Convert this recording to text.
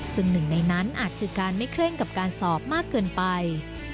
ซึ่งหนึ่งในนั้นอาจคือการไม่เคร่งกับการสอบมากเกินไป